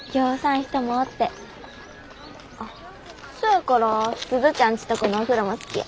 あっそやから鈴ちゃんちとこのお風呂も好きや。